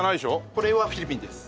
これはフィリピンです。